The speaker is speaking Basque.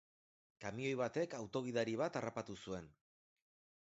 Kamioi batek auto-gidari bat harrapatu zuen.